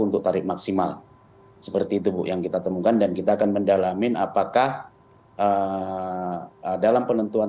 untuk tarif maksimal seperti itu bu yang kita temukan dan kita akan mendalamin apakah dalam penentuan